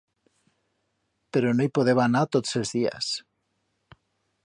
Pero no i podeba anar tots els días.